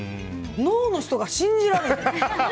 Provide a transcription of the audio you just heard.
ノーの人が信じられん。